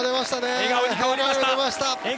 笑顔に変わりました。